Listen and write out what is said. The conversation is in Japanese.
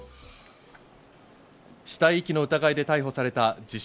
死体遺棄の疑いで逮捕された自称